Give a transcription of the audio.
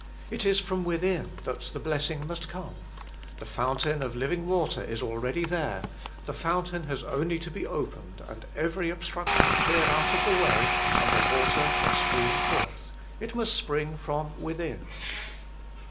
It is from WITHIN that the blessing must come : the fountain of living water is already there ; the fountain has only to be opened and every obstruction cleared out of the way and the water shall stream forth. It must spring from WITHIN.